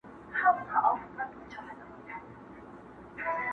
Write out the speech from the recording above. د ډوډۍ پر وخت به خپل قصر ته تلله٫